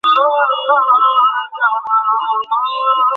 এটা একটা ভয়ানক ধারণা।